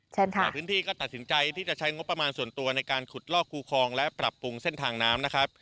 หลายพื้นที่ก็ตัดสินใจที่จะใช้งบประมาณส่วนตัวในการขุดลอกคูคลองและปรับปรุงเส้นทางน้ำนะครับ